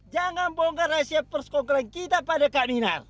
jangan bongkar rahasia perskok keleng kita pada nina